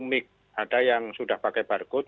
mix ada yang sudah pakai barcode